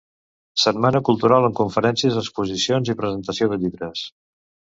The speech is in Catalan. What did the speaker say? Setmana Cultural amb conferències, exposicions i presentació de llibres.